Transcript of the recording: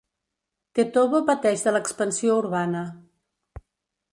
Tetovo pateix de l'expansió urbana.